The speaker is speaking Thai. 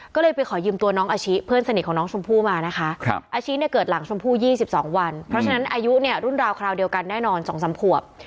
ก็เลยไปขอยืมตัวน้องอาชิเพื่อนสนิทของน้องชมพู่มานะคะอาชิเนี่ยเกิดหลังชมพู่๒๒วันเพราะฉะนั้นอายุเนี่ยรุ่นราวคราวเดียวกันแน่นอน๒๓ขวบ